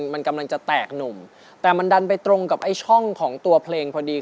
มันกำลังจะแตกหนุ่มแต่มันดันไปตรงกับไอ้ช่องของตัวเพลงพอดี